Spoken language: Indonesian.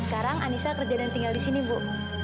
sekarang anissa kerja dan tinggal di sini bu